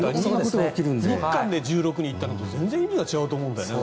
日韓で１６に行ったのと全然意味が違うと思うんだよね。